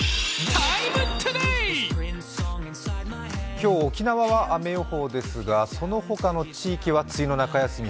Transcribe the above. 今日、沖縄は雨予報ですがそのほかの地域は梅雨の中休み